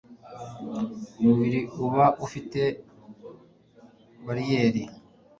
umubiri uba ufite bariyeri